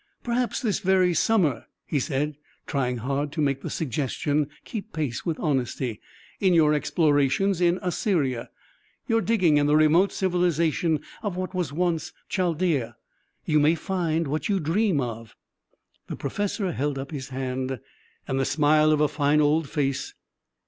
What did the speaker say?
"Perhaps this very summer," he said, trying hard to make the suggestion keep pace with honesty; "in your explorations in Assyria your digging in the remote civilization of what was once Chaldea, you may find what you dream of " The professor held up his hand, and the smile of a fine old face.